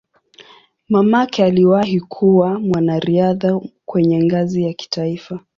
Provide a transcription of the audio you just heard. Mamake aliwahi kuwa mwanariadha kwenye ngazi ya kitaifa.